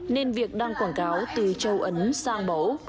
nên việc đăng quảng cáo từ châu ấn sang mẫu